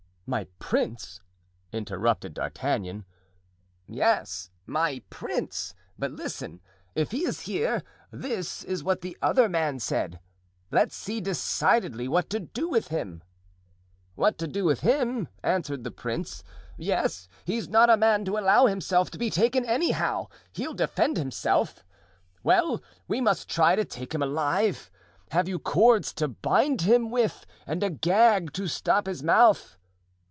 '" "My prince!" interrupted D'Artagnan. "Yes, 'my prince;' but listen. 'If he is here'—this is what the other man said—'let's see decidedly what to do with him.' "'What to do with him?' answered the prince. "'Yes, he's not a man to allow himself to be taken anyhow; he'll defend himself.' "'Well, we must try to take him alive. Have you cords to bind him with and a gag to stop his mouth?